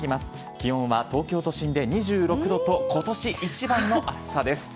気温は東京都心で２６度と今年一番の暑さです。